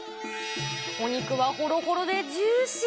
お肉はほろほろでジューシー。